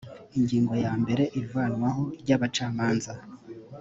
ingingo ya mbere ivanwaho ry abacamanza